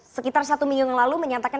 sekitar satu minggu yang lalu menyatakan